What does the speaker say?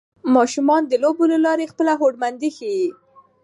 ماشومان د لوبو له لارې خپله هوډمندۍ وښيي